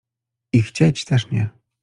i chcieć też nie.